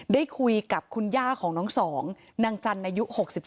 ได้คุยกับคุณย่าของน้องสองนางจันทร์อายุ๖๒